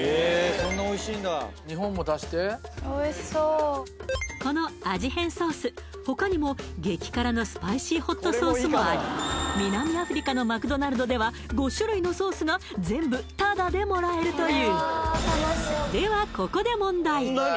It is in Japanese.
これをおいしそうこの味変ソース他にも激辛のスパイシーホットソースもあり南アフリカのマクドナルドでは５種類のソースが全部タダでもらえるというではここで問題